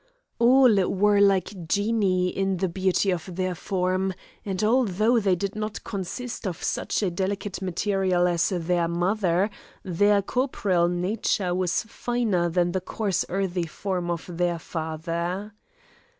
All were like genii in the beauty of their form; and although they did not consist of such a delicate material as their mother, their corporeal nature was finer than the coarse earthy form of their father.